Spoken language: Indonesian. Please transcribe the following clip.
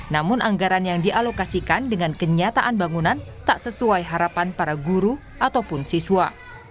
namun anggaran yang dialokasikan dengan kenyataan bangunan tak sesuai harapan para guru ataupun siswa